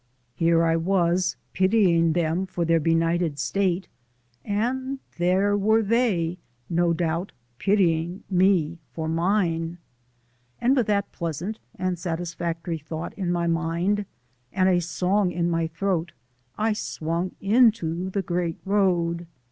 Here was I pitying them for their benighted state, and there were they, no doubt, pitying me for mine! And with that pleasant and satisfactory thought in my mind and a song in my throat I swung into the Great Road.